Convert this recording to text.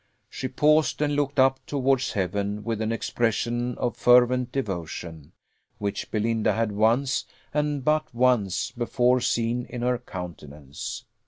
She paused, and looked up towards heaven with an expression of fervent devotion, which Belinda had once, and but once, before seen in her countenance.